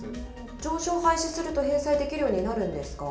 上場廃止すると、返済できるようになるんですか。